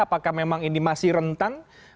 apakah memang ini masih rentan